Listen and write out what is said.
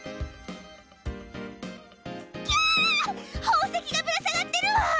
宝石がぶら下がってるわ！